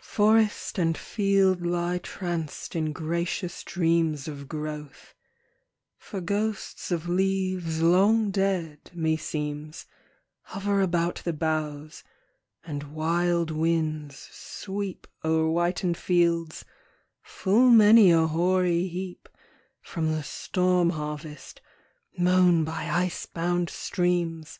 Forest and field lie tranced in gracious dreams Of growth, for ghosts of leaves long dead, me seems, Hover about the boughs; and wild winds sweep O'er whitened fields full many a hoary heap From the storm harvest mown by ice bound streams!